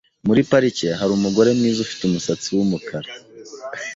Muri parike hari umugore mwiza ufite umusatsi wumukara.